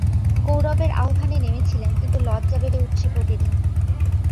গৌরবের আহ্বানে নেমেছিলেম কিন্তু লজ্জা বেড়ে উঠছে প্রতিদিন।